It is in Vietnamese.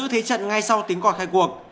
trước thế trận ngay sau tính quả khai cuộc